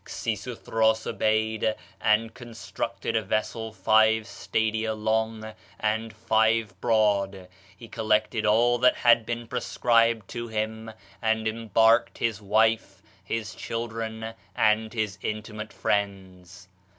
"Xisuthros obeyed, and constructed a vessel five stadia long and five broad; he collected all that had been prescribed to him, and embarked his wife, his children, and his intimate friends.